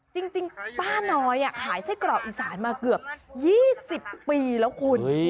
จริงป้าน้อยขายไส้กรอกอีสานมาเกือบ๒๐ปีแล้วคุณ